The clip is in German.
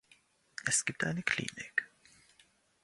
Es gibt eine Klinik.